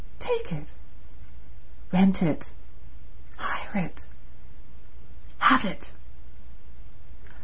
"Take it?" "Rent it. Hire it. Have it."